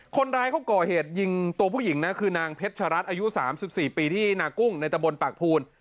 คนร้ายเขาก่อเหตุยิงตัวผู้หญิงนะคือนางเพชรัตน์อายุ๓๔ปีที่นากุ้งในตะบนปากภูน